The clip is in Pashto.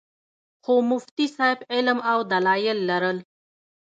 خو مفتي صېب علم او دلائل لرل